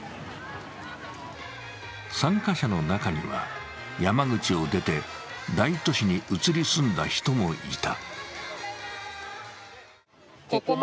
参加者の中には、山口を出て大都市に移り住んだ人もいた。